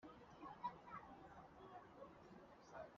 magwaya ntakunda umuntu munini